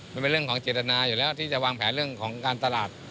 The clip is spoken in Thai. มันเป็นเรื่องของเจตนาอยู่แล้วที่จะวางแผนเรื่องของการตลาด